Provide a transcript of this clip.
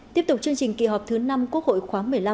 tiếp tục chương trình kỳ họp thứ năm quốc hội khóa một mươi năm